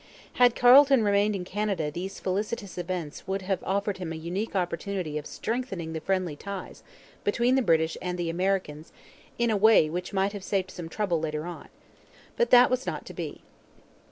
Had Carleton remained in Canada these felicitous events would have offered him a unique opportunity of strengthening the friendly ties between the British and the Americans in a way which might have saved some trouble later on. But that was not to be.